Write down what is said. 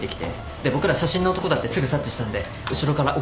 で僕ら写真の男だってすぐ察知したんで後ろから追っ掛けて。